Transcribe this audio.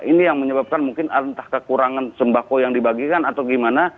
ini yang menyebabkan mungkin entah kekurangan sembako yang dibagikan atau gimana